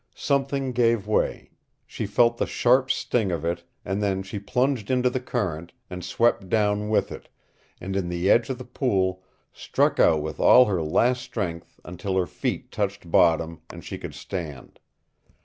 Something gave way. She felt the sharp sting of it, and then she plunged into the current, and swept down with it, and in the edge of the pool struck out with all her last strength until her feet touched bottom, and she could stand.